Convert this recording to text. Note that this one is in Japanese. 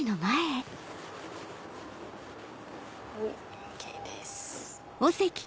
ＯＫです。